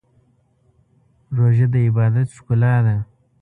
روژه د عبادت ښکلا ده.